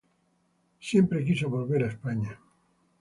Siempre quiso volver a España.